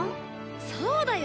そうだよ。